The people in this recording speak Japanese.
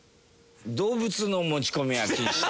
動物の持ち込みは禁止。